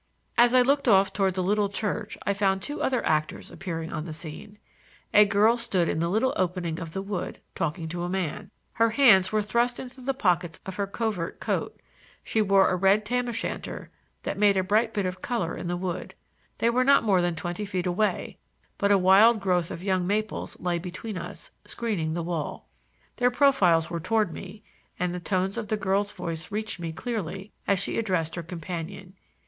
As I looked off toward the little church I found two other actors appearing on the scene. A girl stood in a little opening of the wood, talking to a man. Her hands were thrust into the pockets of her covert coat; she wore a red tam o' shanter, that made a bright bit of color in the wood. They were not more than twenty feet away, but a wild growth of young maples lay between us, screening the wall. Their profiles were toward me, and the tones of the girl's voice reached me clearly, as she addressed her companion.